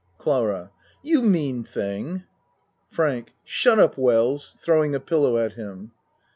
CLARA You mean thing ! FRANK Shut up, Wells. (Throwing a pillow at him.)